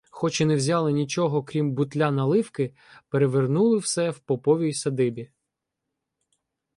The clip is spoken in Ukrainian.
Хоч і не взяли нічого, крім бутля наливки, перевернули все в поповій садибі.